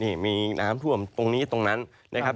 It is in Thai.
นี่มีน้ำท่วมตรงนี้ตรงนั้นนะครับ